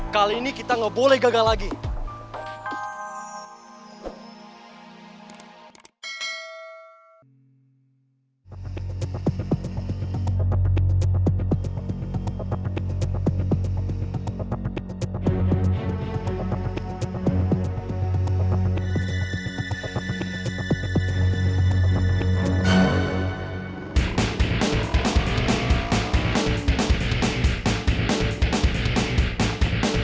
kali ini kita gak boleh gagal lagi